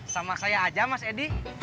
sama saya aja mas edi